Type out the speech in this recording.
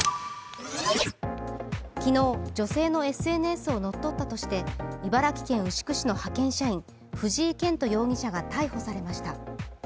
昨日、女性のＳＮＳを乗っ取ったとして柴ら危険牛久市の派遣社員藤井健人容疑者が逮捕されました。